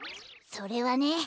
それはね